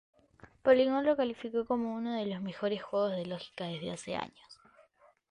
Polygon lo calificó como "uno de los mejores juegos de lógica desde hace años".